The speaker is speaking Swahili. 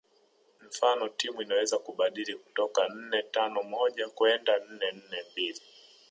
Mfano timu inaweza kubadili kutoka nne tano moja kwenda nne nne mbili